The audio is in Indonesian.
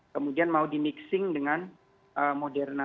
kemudian mau di mixing dengan moderna